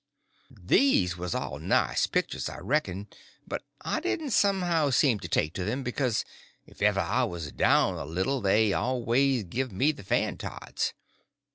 These was all nice pictures, I reckon, but I didn't somehow seem to take to them, because if ever I was down a little they always give me the fan tods.